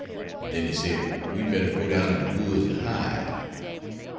An' den he said we'd better go down in de woods an' hide.